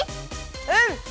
うん！